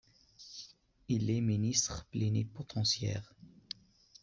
Il est ministre plénipotentiaire.